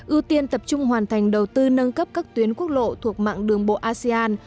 ưu tiên tập trung hoàn thành đầu tư nâng cấp các tuyến quốc lộ thuộc mạng đường bộ asean